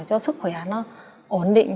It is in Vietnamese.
cho sức khỏe nó ổn định